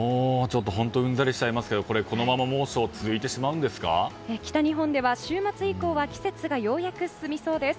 うんざりしちゃいますけどこのまま猛暑北日本では、週末以降は季節がようやく進みそうです。